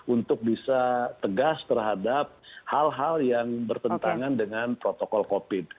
untuk bisa tegas terhadap hal hal yang bertentangan dengan protokol covid